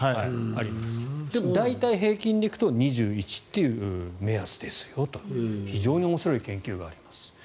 でも、大体平均で行くと２１という目安ですよと非常に面白い研究があります。